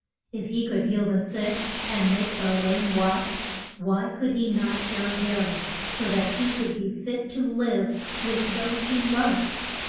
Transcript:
If he could heal the sick, and make the lame walk, why could he not cure him, so that he would be fit to live with those he loved?